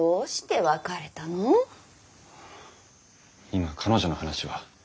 今彼女の話は。